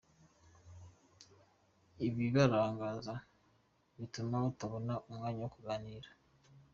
Ibibarangaza bituma batabona umwanya wo kuganira.